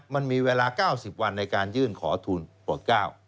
มันมีเวลา๙๐วันในการยื่นขอทุนปลด๙